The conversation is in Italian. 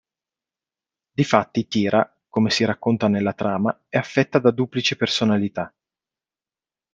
Difatti Tira, come si racconta nella trama, è affetta da duplice personalità.